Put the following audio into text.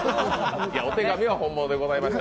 お手紙は本物でございました。